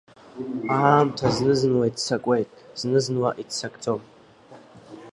Аамҭа зны-зынла иццакуеит, зны-зынла иццакзом…